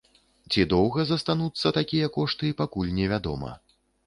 Ці доўга застануцца такія кошты, пакуль невядома.